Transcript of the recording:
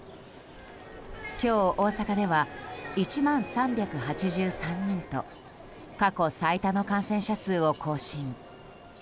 今日、大阪では１万３８３人と過去最多の感染者数を更新。